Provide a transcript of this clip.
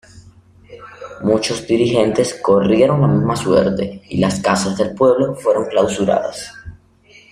Muchos dirigentes corrieron la misma suerte y las Casas del Pueblo fueron clausuradas.